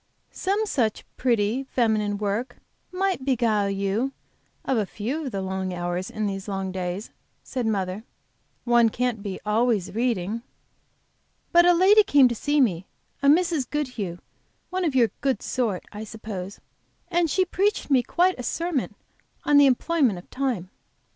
"Some such pretty, feminine work might beguile you of a few of the long hours of these long days," said mother. "One can't be always reading." "But a lady came to see me, a Mrs. Goodhue, one of your good sort, I suppose, and she preached me quite a sermon on the employment of time.